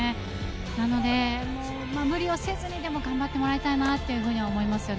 なので無理はせずに、でも頑張ってもらいたいなと思います。